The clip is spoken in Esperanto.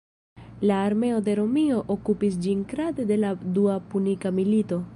La armeo de Romio okupis ĝin kadre de la Dua Punika Milito.